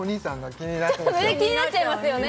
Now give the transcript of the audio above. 気になっちゃいますよね